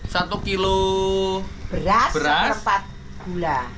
satu kilo beras empat gula